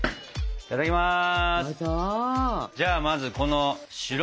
いただきます！